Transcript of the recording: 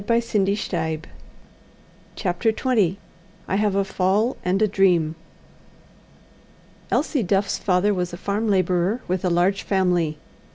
CHAPTER XX I Have a Fall and a Dream Elsie Duff's father was a farm labourer, with a large family.